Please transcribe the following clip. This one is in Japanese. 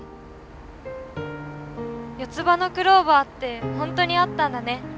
４つ葉のクローバーってほんとにあったんだね。